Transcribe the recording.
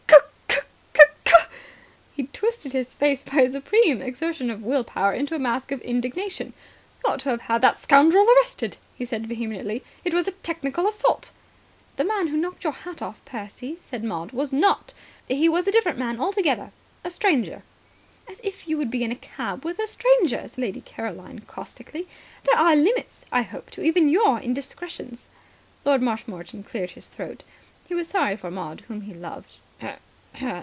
"C'k, c'k, c'k." He twisted his face by a supreme exertion of will power into a mask of indignation. "You ought to have had the scoundrel arrested," he said vehemently. "It was a technical assault." "The man who knocked your hat off, Percy," said Maud, "was not ... He was a different man altogether. A stranger." "As if you would be in a cab with a stranger," said Lady Caroline caustically. "There are limits, I hope, to even your indiscretions." Lord Marshmoreton cleared his throat. He was sorry for Maud, whom he loved.